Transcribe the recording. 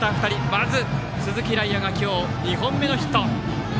まず鈴木徠空が今日２本目のヒット。